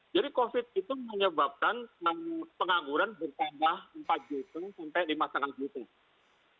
jadi covid itu menyebabkan pengangguran bertambah empat juta sampai lima lima juta